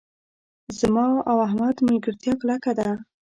زما او احمد ملګرتیا کلکه ده.